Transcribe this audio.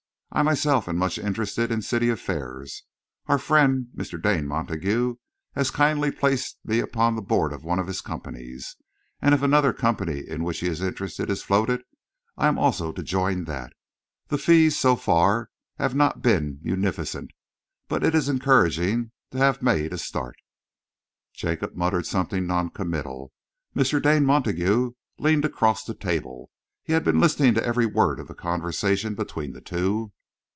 I myself am much interested in City affairs. Our friend, Mr. Dane Montague, has kindly placed me upon the board of one of his companies, and if another company in which he is interested is floated, I am also to join that. The fees so far have not been munificent, but it is encouraging to have made a start." Jacob muttered something noncommittal. Mr. Dane Montague leaned across the table. He had been listening to every word of the conversation between the two.